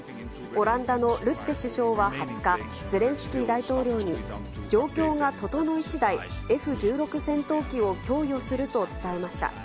オランダのルッテ首相は２０日、ゼレンスキー大統領に、状況が整いしだい、Ｆ１６戦闘機を供与すると伝えました。